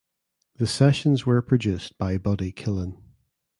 The sessions were produced by Buddy Killen.